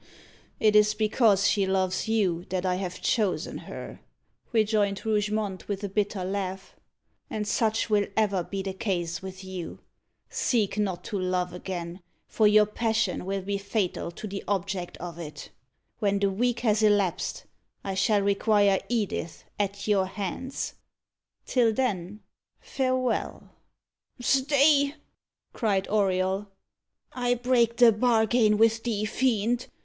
"It is because she loves you that I have chosen her," rejoined Rougemont, with a bitter laugh. "And such will ever be the case with you. Seek not to love again, for your passion will be fatal to the object of it. When the week has elapsed, I shall require Edith at your hands. Till then, farewell!" "Stay!" cried Auriol. "I break the bargain with thee, fiend.